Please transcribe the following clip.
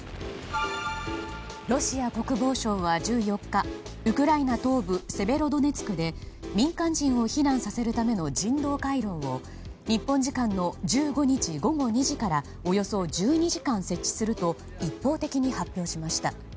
ロシア国防省は１４日ウクライナ東部セベロドネツクで民間人を避難させるための人道回廊を日本時間の１５日午後２時からおよそ１２時間設置すると一方的に発表しました。